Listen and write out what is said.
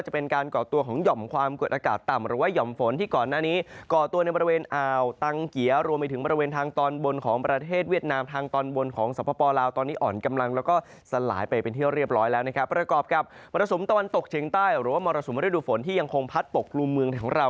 ประกอบกับมรสมตะวันตกเฉียงใต้หรือว่ามรสมฤดูฝนที่ยังคงพัดปกกลุ่มเมืองของเรา